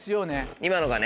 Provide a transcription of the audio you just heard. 今のがね。